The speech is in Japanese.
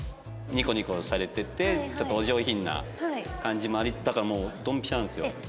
ニコニコされててちょっとお上品な感じもありだからもうドンピシャなんですよ。